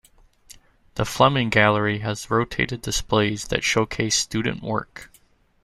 The Fleming Gallery has rotating displays that showcase student work.